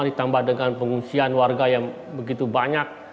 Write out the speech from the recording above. ditambah dengan pengungsian warga yang begitu banyak